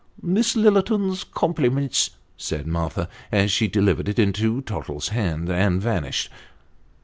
" Miss Lillerton's compliments," said Martha, as she delivered it into Tottle' s hands, and vanished.